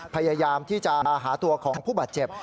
พยายามที่จะหาตัวของผู้บาดเจ็บ